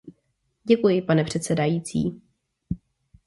Děkuji, pane předsedající.